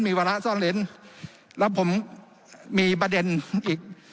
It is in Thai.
มีวาระซ่อนเล้นแล้วผมมีประเด็นอีก